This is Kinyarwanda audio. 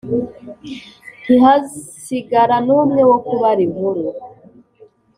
ntihasigara n'umwe wo kubara inkuru